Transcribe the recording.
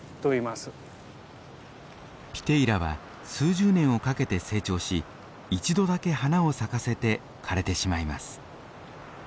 ピテイラは数十年をかけて成長し一度だけ花を咲かせて枯れてしまいます。